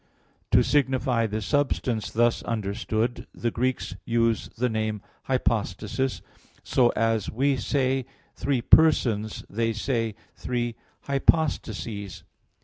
To signify the substance thus understood, the Greeks use the name "hypostasis." So, as we say, "Three persons," they say "Three hypostases."